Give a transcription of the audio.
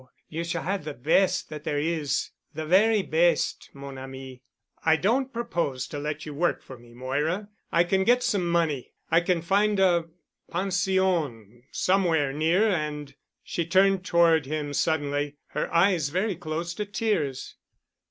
You shall have the best that there is—the very best—mon ami——" "I don't propose to let you work for me, Moira. I can get some money. I can find a pension somewhere near and——" She turned toward him suddenly, her eyes very close to tears.